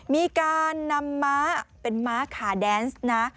มีการนำม้าเป็นม้าขาแดนซ์นะ